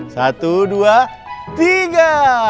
satu dua tiga